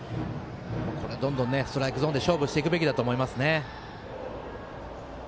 どんどんストライクゾーンで勝負していくべきだと思いますね。